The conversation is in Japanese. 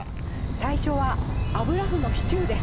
最初は油麩のシチューです。